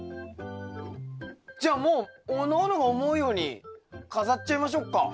じゃあもうおのおのが思うように飾っちゃいましょっか。